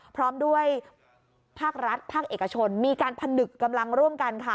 พร้อมด้วยภาครัฐภาคเอกชนมีการผนึกกำลังร่วมกันค่ะ